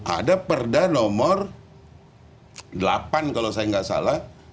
ada perda nomor delapan kalau saya nggak salah